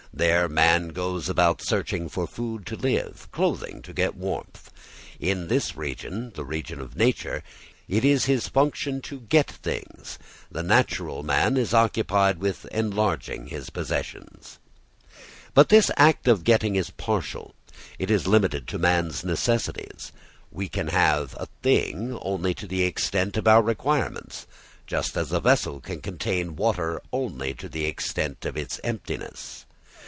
There man goes about searching for food to live, clothing to get warmth. In this region the region of nature it is his function to get things. The natural man is occupied with enlarging his possessions. But this act of getting is partial. It is limited to man's necessities. We can have a thing only to the extent of our requirements, just as a vessel can contain water only to the extent of its emptiness.